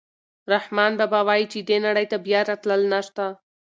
رحمان بابا وايي چې دې نړۍ ته بیا راتلل نشته.